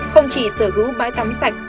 không chỉ sở hữu bái tắm sạch